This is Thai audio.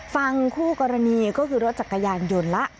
ฟังคู่กรณีก็คือรถจักรยานยนต์ละ